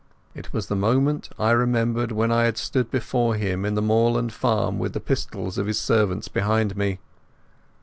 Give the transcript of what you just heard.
It was the movement I remembered when I had stood before him in the moorland farm, with the pistols of his servants behind me.